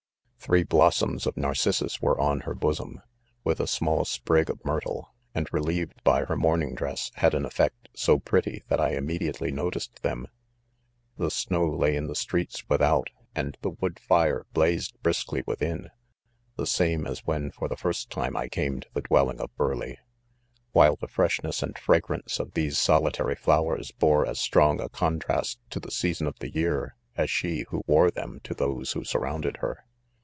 Three blossoms of narcissus were on her bosom, with a small sprig of myrtle, and re lieved by her mourning dress, had an effect so pretty that I immediately noticed them. The snow lay in the streets without, and the wood fire blazed briskly within,, (the same as when for the first time I came to the dwel ling of Burleigh j) while the freshness and fra grance of these solitary flowers, bore as strong a contrast to the season of the year, as she who wore ,them to those who surrounded her.